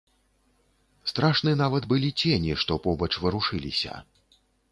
Страшны нават былі цені, што побач варушыліся.